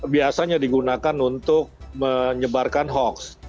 biasanya digunakan untuk menyebarkan hoax